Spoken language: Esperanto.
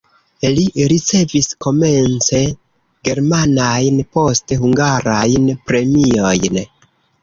Li ricevis komence germanajn, poste hungarajn premiojn.